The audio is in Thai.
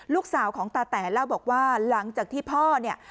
ลูกสาวของตาแต๋เล่าบอกว่าหลังจากที่พ่อเนี่ย